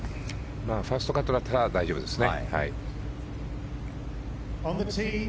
ファーストカットだったら大丈夫ですね。